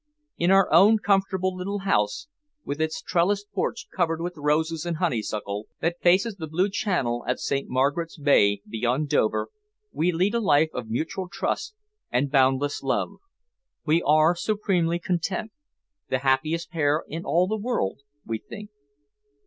In our own comfortable little house, with its trellised porch covered with roses and honeysuckle, that faces the blue Channel at St. Margaret's Bay, beyond Dover, we lead a life of mutual trust and boundless love. We are supremely content the happiest pair in all the world, we think.